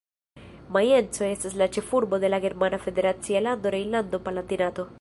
Majenco estas la ĉefurbo de la germana federacia lando Rejnlando-Palatinato-